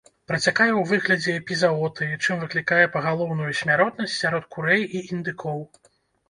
Працякае ў выглядзе эпізаотыі, чым выклікае пагалоўную смяротнасць сярод курэй і індыкоў.